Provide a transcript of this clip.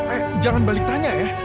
eh jangan balik tanya ya